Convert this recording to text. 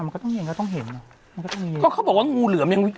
มันก็ต้องเห็นก็ต้องเห็นอ่ะมันก็ต้องมีก็เขาบอกว่างูเหลือมยัง